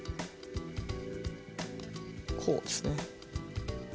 こうですね。